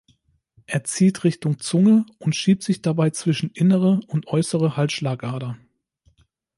Er zieht Richtung Zunge und schiebt sich dabei zwischen innere und äußere Halsschlagader.